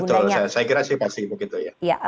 betul saya kira sih pasti begitu ya